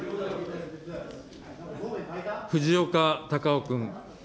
藤岡隆雄君。